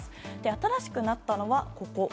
新しくなったのはここ。